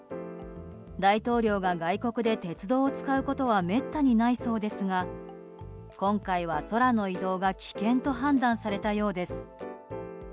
大統領が外国で鉄道を使うことはめったにないそうですが今回は空の移動が危険と判断されたようです。